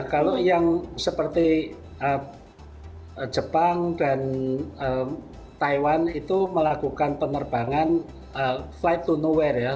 kalau yang seperti jepang dan taiwan itu melakukan penerbangan flight to nowhere ya